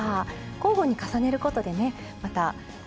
交互に重ねることでねまたえ